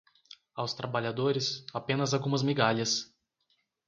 Aos trabalhadores, apenas algumas migalhas